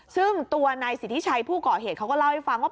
ซึ่งตัวนายสิทธิชัยผู้ก่อเหตุเขาก็เล่าให้ฟังว่า